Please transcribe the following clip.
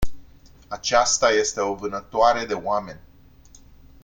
Aceasta este o vânătoare de oameni.